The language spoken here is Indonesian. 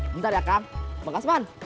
bentar ya kak mau kaceman